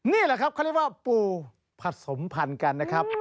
นี่แหละครับเขาเรียกว่าปูผสมพันธุ์กันนะครับ